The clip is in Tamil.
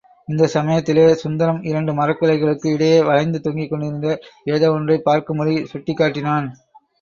இந்தச் சமயத்தில் சுந்தரம் இரண்டு மரக்கிளைகளுக்கு இடையே வளைந்து தொங்கிக்கொண்டிருந்த ஏதோ ஒன்றைப் பார்க்கும்படி சுட்டிக் காட்டினான்.